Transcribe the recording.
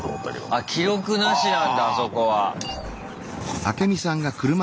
あっ記録なしなんだあそこは。